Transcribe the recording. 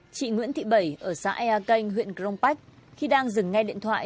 chị nguyễn thị bảy ở xã ea canh huyện cronpac khi đang dừng ngay điện thoại